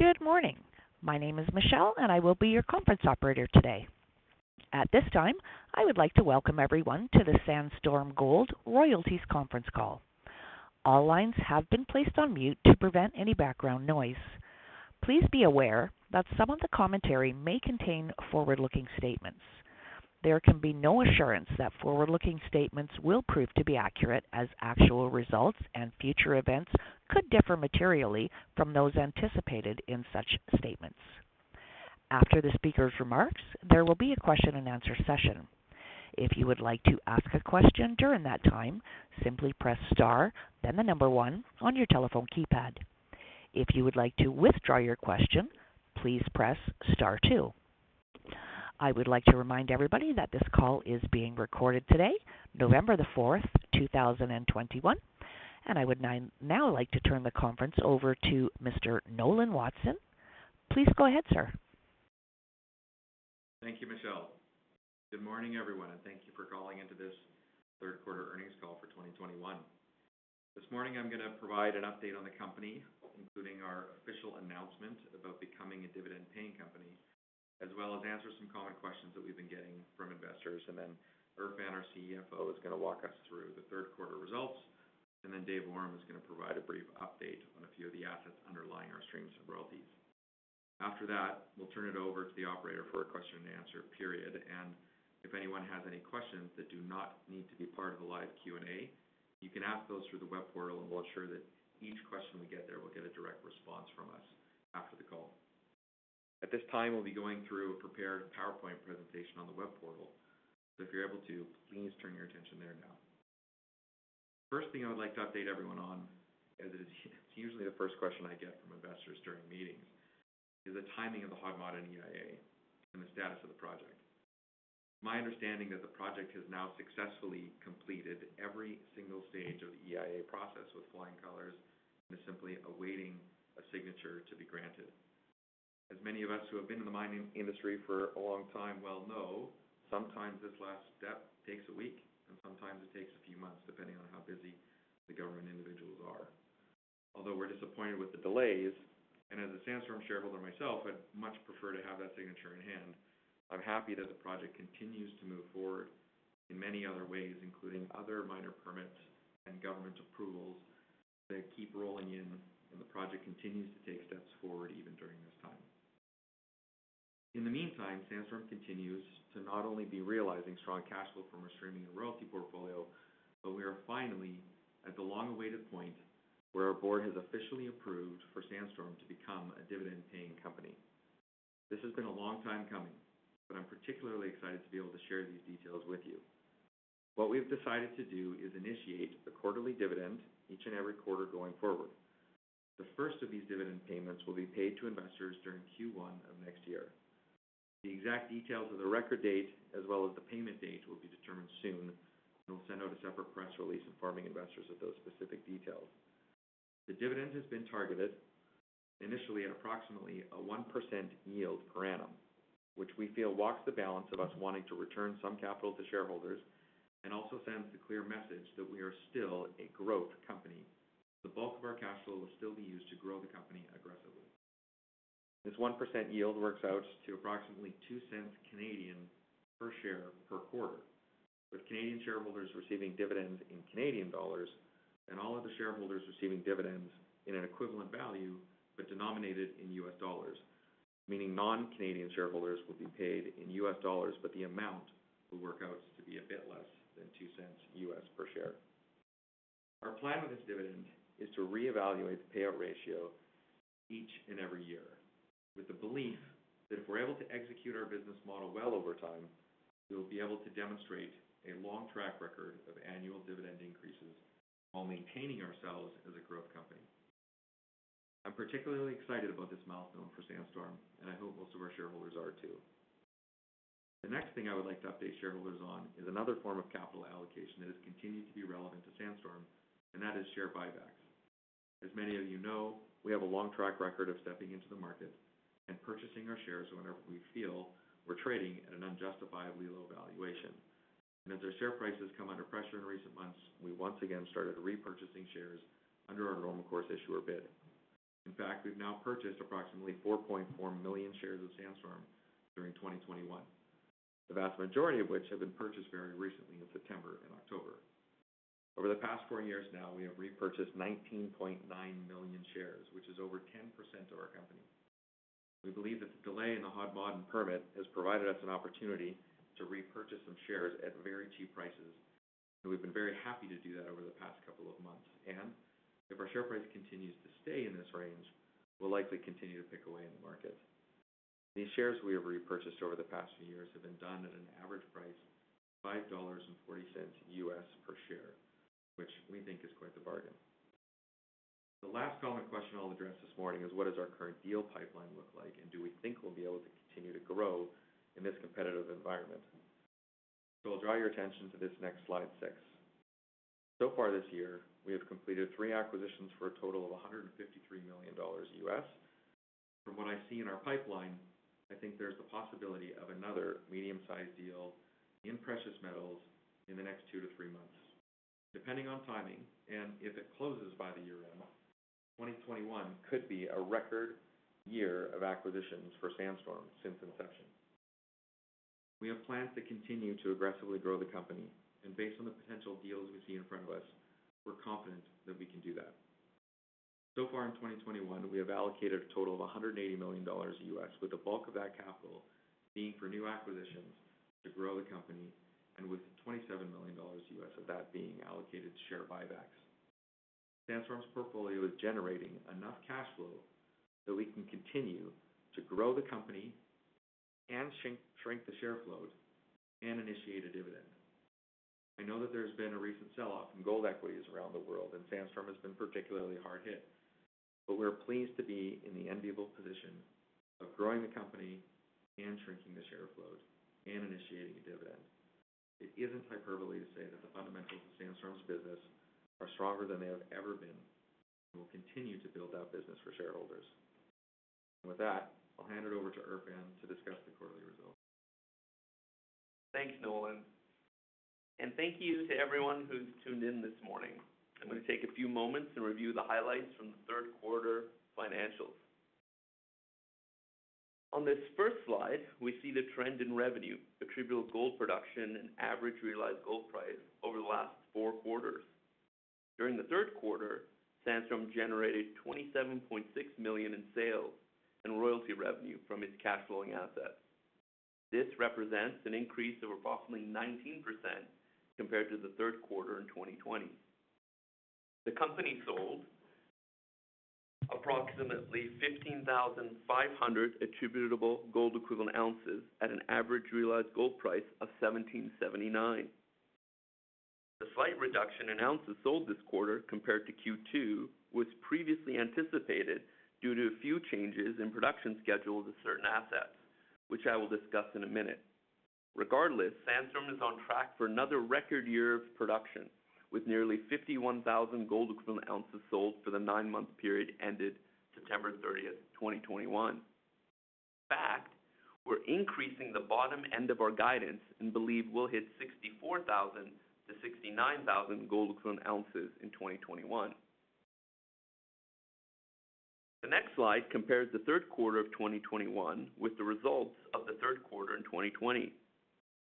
Good morning. My name is Michelle, and I will be your conference operator today. At this time, I would like to welcome everyone to the Sandstorm Gold Royalties conference call. All lines have been placed on mute to prevent any background noise. Please be aware that some of the commentary may contain forward-looking statements. There can be no assurance that forward-looking statements will prove to be accurate as actual results and future events could differ materially from those anticipated in such statements. After the speaker's remarks, there will be a question-and-answer session. If you would like to ask a question during that time, simply press star, then the number one on your telephone keypad. If you would like to withdraw your question, please press star two. I would like to remind everybody that this call is being recorded today, November 4, 2021. I would now like to turn the conference over to Mr. Nolan Watson. Please go ahead, sir. Thank you, Michelle. Good morning, everyone, and thank you for calling into this Q3 earnings call for 2021. This morning, I'm gonna provide an update on the company, including our official announcement about becoming a dividend-paying company, as well as answer some common questions that we've been getting from investors. Then Erfan, our CFO, is gonna walk us through the Q3 results, and then David Awram is gonna provide a brief update on a few of the assets underlying our streams and royalties. After that, we'll turn it over to the operator for a question-and-answer period. If anyone has any questions that do not need to be part of the live Q&A, you can ask those through the web portal, and we'll ensure that each question we get there will get a direct response from us after the call. At this time, we'll be going through a prepared PowerPoint presentation on the web portal. If you're able to, please turn your attention there now. First thing I would like to update everyone on, as it is usually the first question I get from investors during meetings, is the timing of the Hod Maden EIA and the status of the project. My understanding is the project has now successfully completed every single stage of the EIA process with flying colors and is simply awaiting a signature to be granted. As many of us who have been in the mining industry for a long time well know, sometimes this last step takes a week, and sometimes it takes a few months, depending on how busy the government individuals are. Although we're disappointed with the delays, and as a Sandstorm shareholder myself, I'd much prefer to have that signature in hand, I'm happy that the project continues to move forward in many other ways, including other minor permits and government approvals that keep rolling in, and the project continues to take steps forward even during this time. In the meantime, Sandstorm continues to not only be realizing strong cash flow from our streaming and royalty portfolio, but we are finally at the long-awaited point where our board has officially approved for Sandstorm to become a dividend-paying company. This has been a long time coming, but I'm particularly excited to be able to share these details with you. What we've decided to do is initiate a quarterly dividend each and every quarter going forward. The first of these dividend payments will be paid to investors during Q1 of next year. The exact details of the record date as well as the payment date will be determined soon, and we'll send out a separate press release informing investors of those specific details. The dividend has been targeted initially at approximately a 1% yield per annum, which we feel walks the balance of us wanting to return some capital to shareholders and also sends the clear message that we are still a growth company. The bulk of our cash flow will still be used to grow the company aggressively. This 1% yield works out to approximately 0.02 per share per quarter, with Canadian shareholders receiving dividends in Canadian dollars and all other shareholders receiving dividends in an equivalent value but denominated in US dollars, meaning non-Canadian shareholders will be paid in US dollars, but the amount will work out to be a bit less than $0.02 per share. Our plan with this dividend is to reevaluate the payout ratio each and every year with the belief that if we're able to execute our business model well over time, we will be able to demonstrate a long track record of annual dividend increases while maintaining ourselves as a growth company. I'm particularly excited about this milestone for Sandstorm, and I hope most of our shareholders are too. The next thing I would like to update shareholders on is another form of capital allocation that has continued to be relevant to Sandstorm, and that is share buybacks. As many of you know, we have a long track record of stepping into the market and purchasing our shares whenever we feel we're trading at an unjustifiably low valuation. As our share price has come under pressure in recent months, we once again started repurchasing shares under our normal course issuer bid. In fact, we've now purchased approximately 4.4 million shares of Sandstorm during 2021, the vast majority of which have been purchased very recently in September and October. Over the past four years now, we have repurchased 19.9 million shares, which is over 10% of our company. We believe that the delay in the Hod Maden permit has provided us an opportunity to repurchase some shares at very cheap prices, and we've been very happy to do that over the past couple of months. If our share price continues to stay in this range, we'll likely continue to pick away in the market. These shares we have repurchased over the past few years have been done at an average price of $5.40 US per share, which we think is quite the bargain. The last common question I'll address this morning is what does our current deal pipeline look like, and do we think we'll be able to continue to grow in this competitive environment? I'll draw your attention to this next slide six. So far this year, we have completed three acquisitions for a total of $153 million. From what I see in our pipeline, I think there's the possibility of another medium-sized deal in precious metals in the next 2 to 3 months. Depending on timing and if it closes by the year-end, 2021 could be a record year of acquisitions for Sandstorm since inception. We have plans to continue to aggressively grow the company, and based on the potential deals we see in front of us, we're confident that we can do that. So far in 2021, we have allocated a total of $180 million, with the bulk of that capital being for new acquisitions to grow the company and with $27 million of that being allocated to share buybacks. Sandstorm's portfolio is generating enough cash flow that we can continue to grow the company and shrink the share float and initiate a dividend. I know that there's been a recent sell-off in Gold equities around the world, and Sandstorm has been particularly hard hit, but we're pleased to be in the enviable position of growing the company and shrinking the share float and initiating a dividend. It isn't hyperbole to say that the fundamentals of Sandstorm's business are stronger than they have ever been, and we'll continue to build our business for shareholders. With that, I'll hand it over to Erfan to discuss the quarterly results. Thanks, Nolan. Thank you to everyone who's tuned in this morning. I'm going to take a few moments and review the highlights from the Q3 financials. On this first slide, we see the trend in revenue attributable to Gold production and average realized Gold price over the last four quarters. During the Q3, Sandstorm generated $27.6 million in sales and royalty revenue from its cash flowing assets. This represents an increase of approximately 19% compared to the Q3 in 2020. The company sold approximately 15,500 attributable Gold equivalent ounces at an average realized Gold price of $1,779. The slight reduction in ounces sold this quarter compared to Q2 was previously anticipated due to a few changes in production schedules of certain assets, which I will discuss in a minute. Regardless, Sandstorm is on track for another record year of production, with nearly 51,000 Gold equivalent ounces sold for the nine-month period ended September 30, 2021. In fact, we're increasing the bottom end of our guidance and believe we'll hit 64,000-69,000 Gold equivalent ounces in 2021. The next slide compares the Q3 of 2021 with the results of the Q3 in 2020.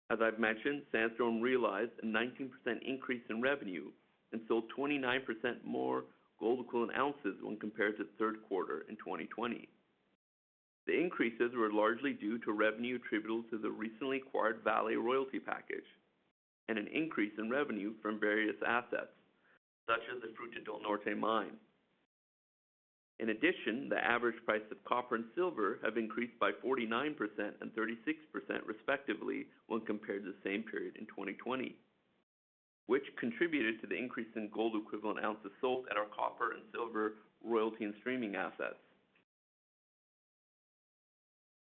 As I've mentioned, Sandstorm realized a 19% increase in revenue and sold 29% more Gold equivalent ounces when compared to the Q3 in 2020. The increases were largely due to revenue attributable to the recently acquired Vale royalty package and an increase in revenue from various assets, such as the Fruta del Norte mine. In addition, the average price of copper and silver have increased by 49% and 36% respectively when compared to the same period in 2020, which contributed to the increase in Gold equivalent ounces sold at our copper and silver royalty and streaming assets.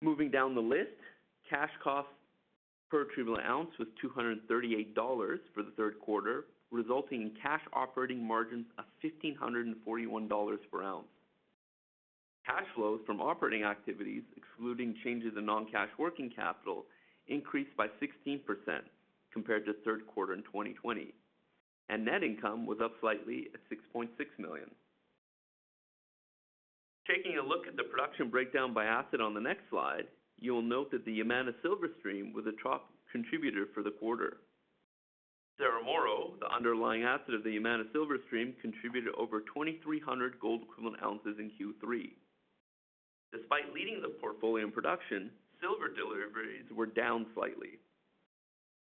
Moving down the list, cash costs per attributable ounce was $238 for the Q3, resulting in cash operating margins of $1,541 per ounce. Cash flows from operating activities, excluding changes in non-cash working capital, increased by 16% compared to the Q3 in 2020, and net income was up slightly at $6.6 million. Taking a look at the production breakdown by asset on the next slide, you will note that the Yamana Silver Stream was a top contributor for the quarter. Cerro Moro, the underlying asset of the Yamana Silver Stream, contributed over 2,300 Gold equivalent ounces in Q3. Despite leading the portfolio in production, silver deliveries were down slightly.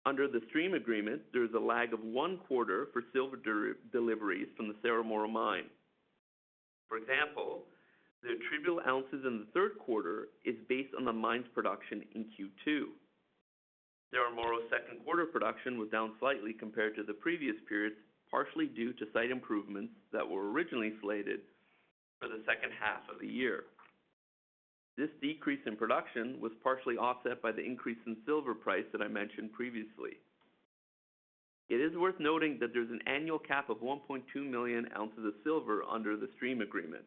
Under the stream agreement, there is a lag of one quarter for silver deliveries from the Cerro Moro mine. For example, the attributable ounces in the Q3 is based on the mine's production in Q2. Cerro Moro's Q2 production was down slightly compared to the previous period, partially due to site improvements that were originally slated for the second half of the year. This decrease in production was partially offset by the increase in silver price that I mentioned previously. It is worth noting that there's an annual cap of 1.2 million ounces of silver under the stream agreement,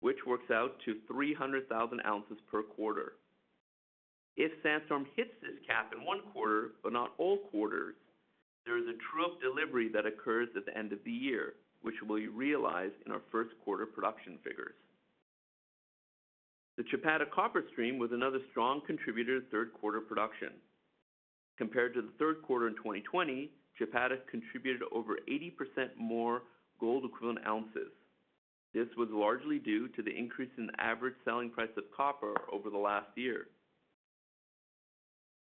which works out to 300,000 ounces per quarter. If Sandstorm hits this cap in one quarter but not all quarters, there is a true-up delivery that occurs at the end of the year, which we realized in our Q1 production figures. The Chapada Copper Stream was another strong contributor to Q3 production. Compared to the Q3 in 2020, Chapada contributed over 80% more Gold equivalent ounces. This was largely due to the increase in average selling price of copper over the last year.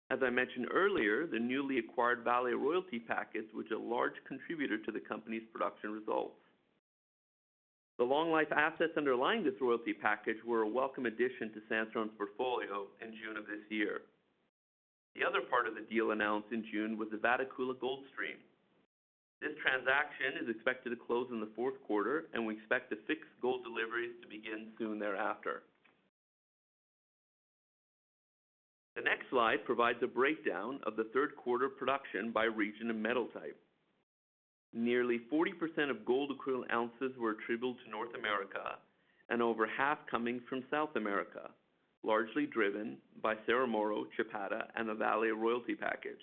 As I mentioned earlier, the newly acquired Vale Royalty Package was a large contributor to the company's production results. The long-life assets underlying this royalty package were a welcome addition to Sandstorm's portfolio in June of this year. The other part of the deal announced in June was the Vatukoula Gold Stream. This transaction is expected to close in the Q4, and we expect the fixed Gold deliveries to begin soon thereafter. The next slide provides a breakdown of the Q3 production by region and metal type. Nearly 40% of Gold equivalent ounces were attributable to North America, and over half coming from South America, largely driven by Cerro Moro, Chapada, and the Vale Royalty Package.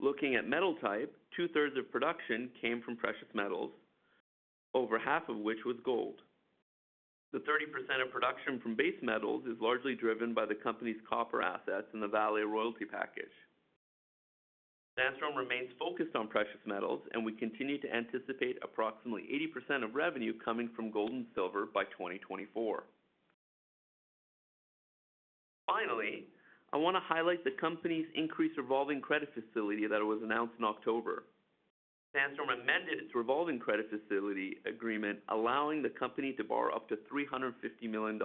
Looking at metal type, two-thirds of production came from precious metals, over half of which was Gold. The 30% of production from base metals is largely driven by the company's copper assets in the Vale Royalty Package. Sandstorm remains focused on precious metals, and we continue to anticipate approximately 80% of revenue coming from Gold and silver by 2024. Finally, I want to highlight the company's increased revolving credit facility that was announced in October. Sandstorm amended its revolving credit facility agreement, allowing the company to borrow up to $350 million.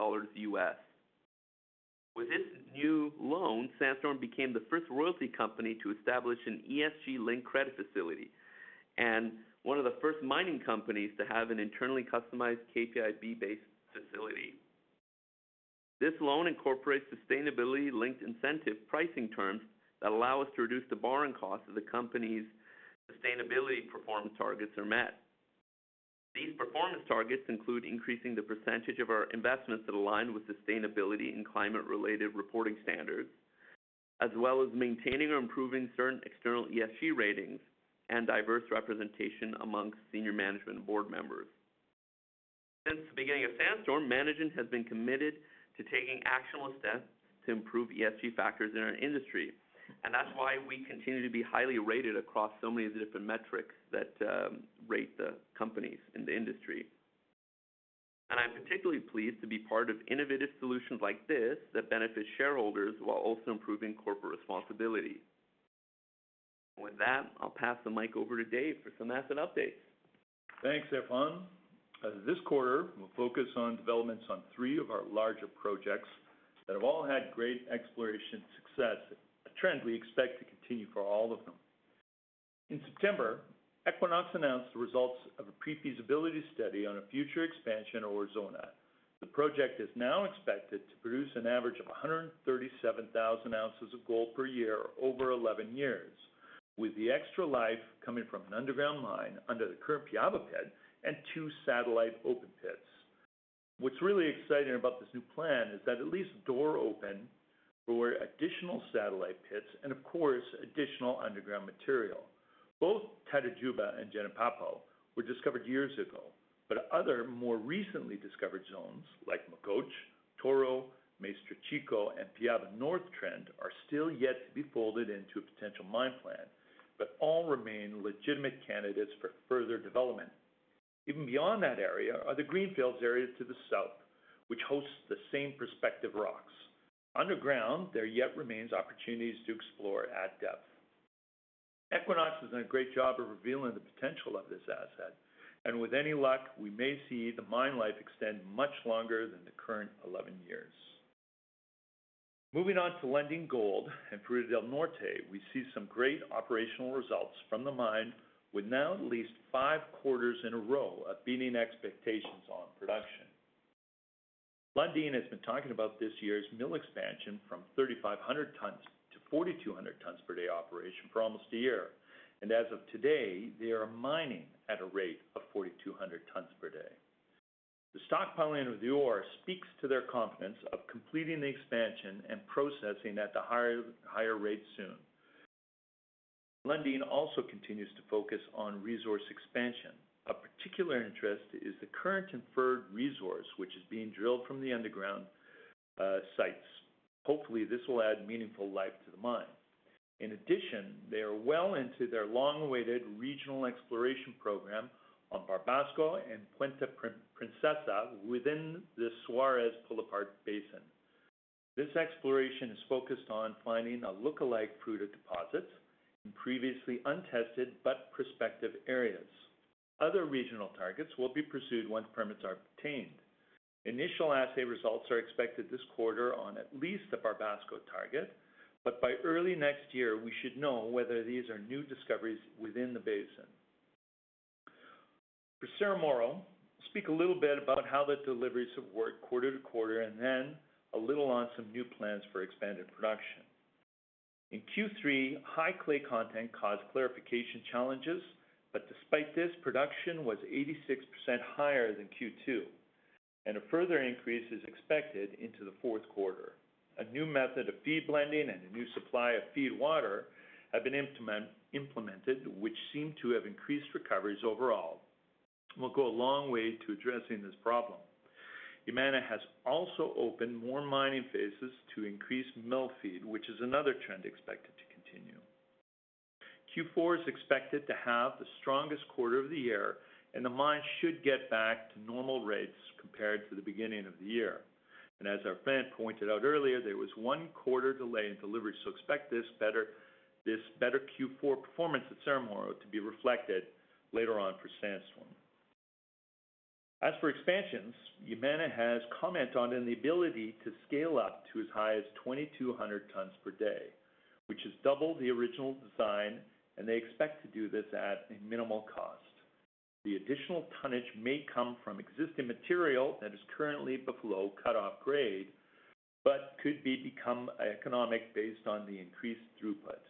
With this new loan, Sandstorm became the first royalty company to establish an ESG-linked credit facility and one of the first mining companies to have an internally customized KPI-based facility. This loan incorporates sustainability-linked incentive pricing terms that allow us to reduce the borrowing costs as the company's sustainability performance targets are met. These performance targets include increasing the percentage of our investments that align with sustainability and climate-related reporting standards, as well as maintaining or improving certain external ESG ratings and diverse representation amongst senior management board members. Since the beginning of Sandstorm, management has been committed to taking actionable steps to improve ESG factors in our industry, and that's why we continue to be highly rated across so many of the different metrics that rate the companies in the industry. I'm particularly pleased to be part of innovative solutions like this that benefit shareholders while also improving corporate responsibility. With that, I'll pass the mic over to Dave for some asset updates. Thanks, Erfan. This quarter, we'll focus on developments on three of our larger projects that have all had great exploration success, a trend we expect to continue for all of them. In September, Equinox announced the results of a pre-feasibility study on a future expansion of Aurizona. The project is now expected to produce an average of 137,000 ounces of Gold per year over 11 years, with the extra life coming from an underground mine under the current Piaba Pit and two satellite open pits. What's really exciting about this new plan is that it leaves the door open for additional satellite pits and, of course, additional underground material. Both Tatajuba and Jenipapo were discovered years ago, but other more recently discovered zones like Macoche, Touro, Mestre Chico, and Piaba North Trend are still yet to be folded into a potential mine plan, but all remain legitimate candidates for further development. Even beyond that area are the greenfields area to the south, which hosts the same prospective rocks. Underground, there yet remains opportunities to explore at depth. Equinox has done a great job of revealing the potential of this asset, and with any luck, we may see the mine life extend much longer than the current 11 years. Moving on to Lundin Gold and Fruta del Norte, we see some great operational results from the mine, with now at least 5 quarters in a row of beating expectations on production. Lundin has been talking about this year's mill expansion from 3,500 tons to 4,200 tons per day operation for almost a year. As of today, they are mining at a rate of 4,200 tons per day. The stockpiling of the ore speaks to their confidence of completing the expansion and processing at the higher rate soon. Lundin also continues to focus on resource expansion. Of particular interest is the current inferred resource, which is being drilled from the underground sites. Hopefully, this will add meaningful life to the mine. In addition, they are well into their long-awaited regional exploration program on Barbasco and Puente-Princesa within the Suarez Pull-Apart Basin. This exploration is focused on finding a lookalike Fruta deposit in previously untested but prospective areas. Other regional targets will be pursued once permits are obtained. Initial assay results are expected this quarter on at least the Barbasco target, but by early next year, we should know whether these are new discoveries within the basin. For Cerro Moro, I'll speak a little bit about how the deliveries have worked quarter to quarter and then a little on some new plans for expanded production. In Q3, high clay content caused clarification challenges, but despite this, production was 86% higher than Q2, and a further increase is expected into the Q4. A new method of feed blending and a new supply of feed water have been implemented, which seem to have increased recoveries overall and will go a long way to addressing this problem. Yamana has also opened more mining phases to increase mill feed, which is another trend expected to continue. Q4 is expected to have the strongest quarter of the year, and the mine should get back to normal rates compared to the beginning of the year. As Erfan pointed out earlier, there was one quarter delay in delivery, so expect this better Q4 performance at Cerro Moro to be reflected later on for Sandstorm. As for expansions, Yamana has commented on the ability to scale up to as high as 2,200 tons per day, which is double the original design, and they expect to do this at a minimal cost. The additional tonnage may come from existing material that is currently below cut-off grade. Could become economic based on the increased throughput.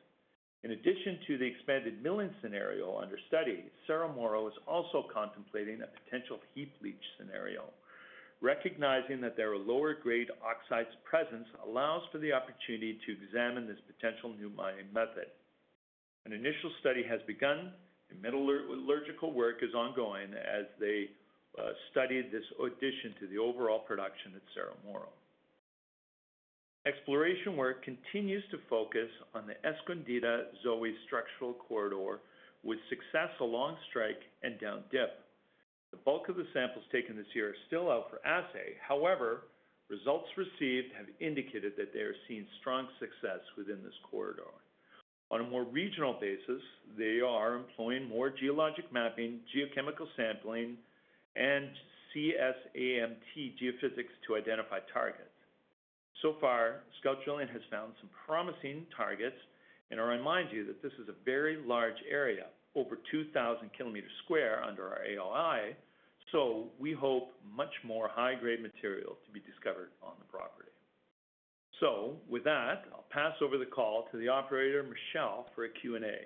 In addition to the expanded milling scenario under study, Cerro Moro is also contemplating a potential heap leach scenario. Recognizing that there are lower grade oxides presence allows for the opportunity to examine this potential new mining method. An initial study has begun, and metallurgical work is ongoing as they study this addition to the overall production at Cerro Moro. Exploration work continues to focus on the Escondida-Zoe structural corridor with success along strike and down dip. The bulk of the samples taken this year are still out for assay. However, results received have indicated that they are seeing strong success within this corridor. On a more regional basis, they are employing more geologic mapping, geochemical sampling, and CSAMT geophysics to identify targets. So far, scout drilling has found some promising targets and I remind you that this is a very large area, over 2,000 sq km under our AI. We hope much more high grade material to be discovered on the property. With that, I'll pass over the call to the operator, Michelle, for a Q&A.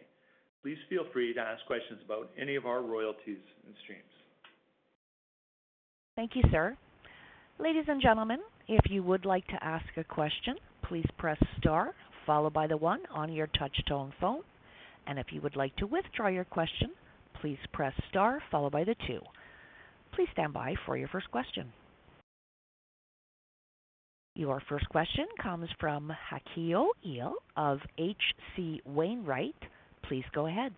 Please feel free to ask questions about any of our royalties and streams. Thank you, sir. Ladies and gentlemen, if you would like to ask a question, please press star followed by the 1 on your touch-tone phone. If you would like to withdraw your question, please press star followed by the 2. Please stand by for your first question. Your first question comes from Heiko Ihle of H.C. Wainwright. Please go ahead.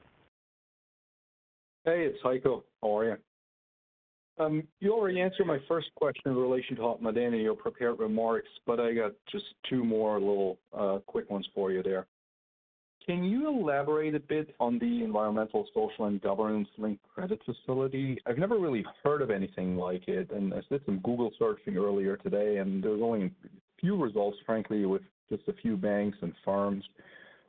Hey, it's Heiko. How are you? You already answered my first question in relation to Hod Maden, your prepared remarks, but I got just two more little quick ones for you there. Can you elaborate a bit on the ESG-linked credit facility? I've never really heard of anything like it, and I did some Google searching earlier today, and there's only a few results, frankly, with just a few banks and firms.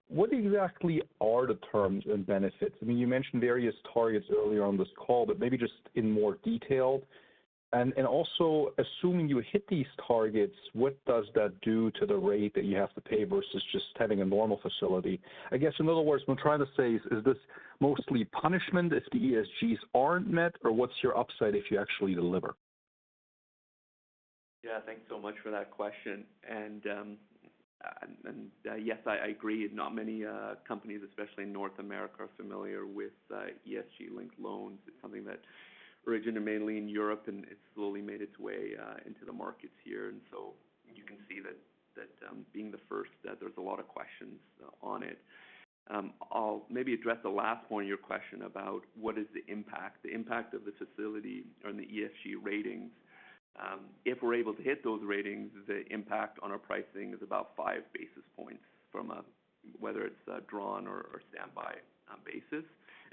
What exactly are the terms and benefits? I mean, you mentioned various targets earlier on this call, but maybe just in more detail. Assuming you hit these targets, what does that do to the rate that you have to pay versus just having a normal facility? I guess in other words, what I'm trying to say is this mostly punishment if the ESGs aren't met or what's your upside if you actually deliver? Yeah, thanks so much for that question. Yes, I agree. Not many companies, especially in North America, are familiar with ESG-linked loans. It's something that originated mainly in Europe, and it slowly made its way into the markets here. You can see that being the first, that there's a lot of questions on it. I'll maybe address the last point of your question about what is the impact of the facility on the ESG ratings. If we're able to hit those ratings, the impact on our pricing is about five basis points, whether it's a drawn or standby basis.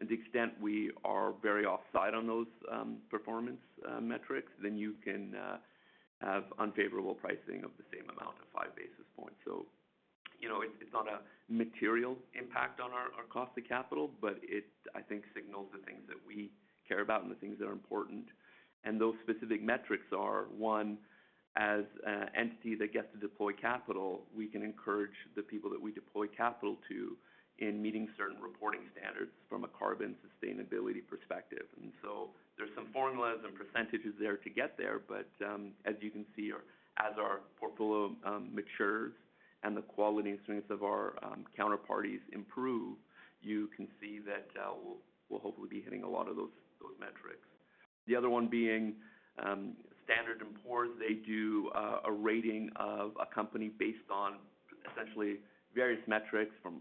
To the extent we are very offside on those performance metrics, then you can have unfavorable pricing of the same amount of five basis points. You know, it's not a material impact on our cost of capital, but, I think, it signals the things that we care about and the things that are important. Those specific metrics are one, as an entity that gets to deploy capital, we can encourage the people that we deploy capital to in meeting certain reporting standards from a carbon sustainability perspective. There's some formulas and percentages there to get there. As you can see, as our portfolio matures and the quality and strengths of our counterparties improve, you can see that we'll hopefully be hitting a lot of those metrics. The other one being, Standard & Poor's, they do a rating of a company based on essentially various metrics from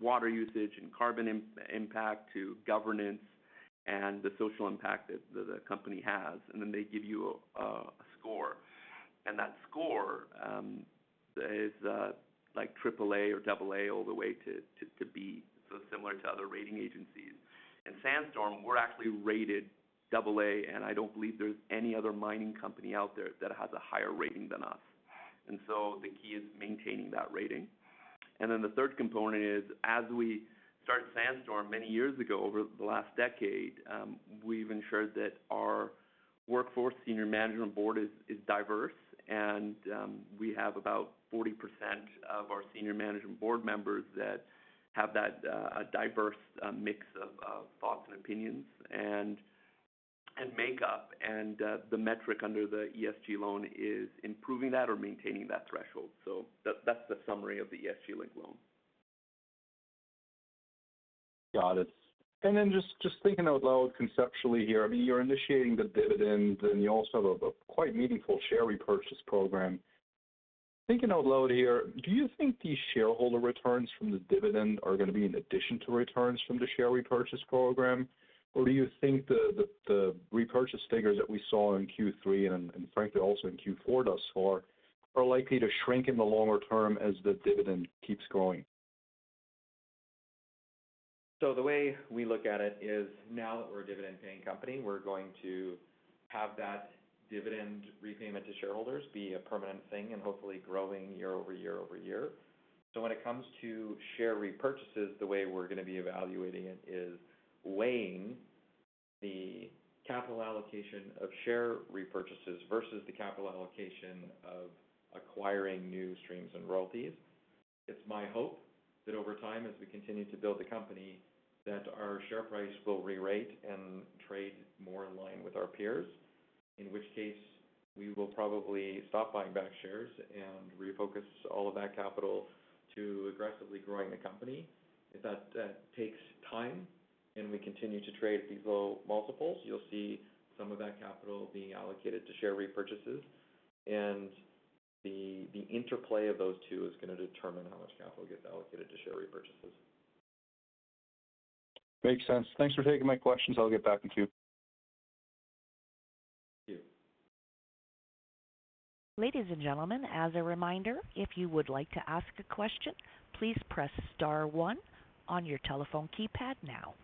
water usage and carbon impact to governance and the social impact that the company has. Then they give you a score. That score is like triple A or double A all the way to B, so similar to other rating agencies. In Sandstorm, we're actually rated double A, and I don't believe there's any other mining company out there that has a higher rating than us. The key is maintaining that rating. The third component is, as we started Sandstorm many years ago, over the last decade, we've ensured that our workforce, senior management, board is diverse. We have about 40% of our senior management board members that have that a diverse mix of thoughts and opinions and makeup. The metric under the ESG loan is improving that or maintaining that threshold. That's the summary of the ESG linked loan. Got it. Just thinking out loud conceptually here, I mean, you're initiating the dividends, and you also have a quite meaningful share repurchase program. Thinking out loud here, do you think these shareholder returns from the dividend are gonna be in addition to returns from the share repurchase program? Do you think the repurchase figures that we saw in Q3 and frankly, also in Q4 thus far, are likely to shrink in the longer term as the dividend keeps growing? The way we look at it is now that we're a dividend-paying company, we're going to have that dividend repayment to shareholders be a permanent thing and hopefully growing year over year over year. When it comes to share repurchases, the way we're gonna be evaluating it is weighing the capital allocation of share repurchases versus the capital allocation of acquiring new streams and royalties. It's my hope that over time, as we continue to build the company, that our share price will rerate and trade more in line with our peers. In which case, we will probably stop buying back shares and refocus all of that capital to aggressively growing the company. If that takes time and we continue to trade at these low multiples, you'll see some of that capital being allocated to share repurchases. The interplay of those two is gonna determine how much capital gets allocated to share repurchases. Makes sense. Thanks for taking my questions. I'll get back in queue. Thank you. Ladies and gentlemen, as a reminder, if you would like to ask a question, please press star one on your telephone keypad now.